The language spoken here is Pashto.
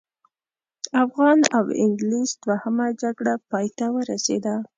افغان او انګلیس دوهمه جګړه پای ته ورسېده.